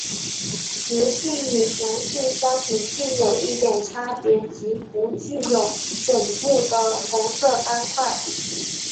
雌性与雄性相比近有一点差别即不具有枕部的红色斑块。